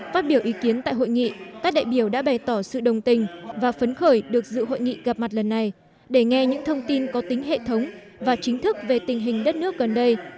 phát biểu ý kiến tại hội nghị các đại biểu đã bày tỏ sự đồng tình và phấn khởi được dự hội nghị gặp mặt lần này để nghe những thông tin có tính hệ thống và chính thức về tình hình đất nước gần đây